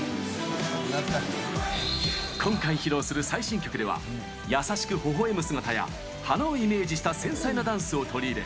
今回披露する最新曲では優しく微笑む姿や花をイメージした繊細なダンスを取り入れ